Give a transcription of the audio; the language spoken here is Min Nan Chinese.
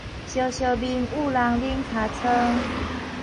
燒燒面焐人冷尻川